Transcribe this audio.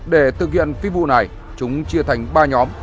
để thực hiện phi vụ này chúng chia thành ba nhóm